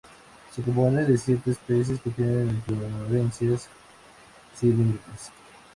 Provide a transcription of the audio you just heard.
Se compone de siete especies que tienen inflorescencias cilíndricas.